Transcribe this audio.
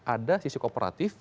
ada sisi kooperatif